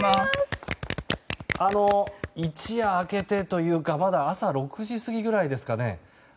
一夜明けてというかまだ朝６時過ぎぐらいですかね。